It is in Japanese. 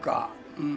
うん。